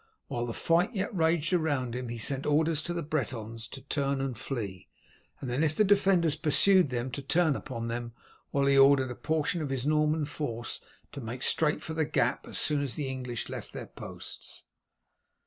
While the fight yet raged around him he sent orders to the Bretons to turn and flee, and then if the defenders pursued them to turn upon them while he ordered a portion of his Norman force to make straight for the gap as soon as the English left their posts.